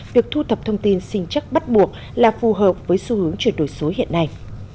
việc thu thập thông tin sinh chắc bắt buộc là phù hợp với xu hướng chuyển đổi số hiện nay